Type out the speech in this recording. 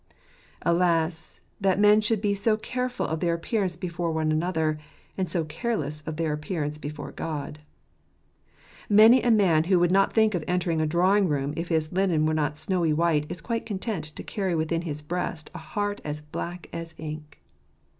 Alas, that men should be so careful of their appearance before one another, and so careless of their appearance before God ! Many a man who would not think of entering a drawing room if his linen were not snowy white is quite content to carry within his breast a heart as black as ink.